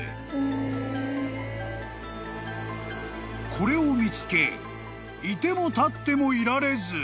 ［これを見つけ居ても立ってもいられず］